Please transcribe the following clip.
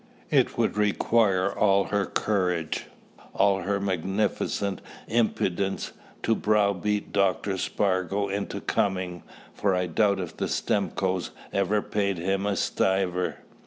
It would require all her courage, all her magnificent impudence, to browbeat Dr. Spargo into coming, for I doubt if the Stimcoes had ever paid him a stiver.